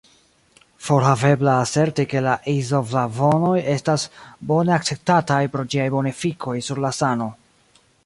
Forhavebla aserti ke la izoflavonoj estas bone akceptataj pro ĝiaj bonefikoj sur la sano.